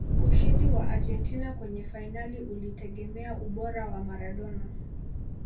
ushindi wa argentina kwenye fainali ulitegemea ubora wa maradona